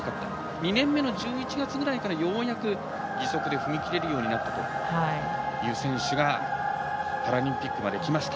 ２年目の１１月ぐらいからようやく義足で踏み切れるようになったという選手がパラリンピックまできました。